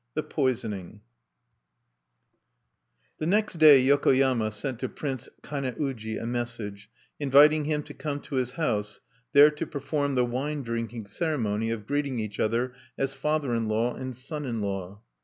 V. THE POISONING The next day Yokoyama sent to Prince Kane uji a message, inviting him to come to his house, there to perform the wine drinking ceremony of greeting each other as father in law and son in law.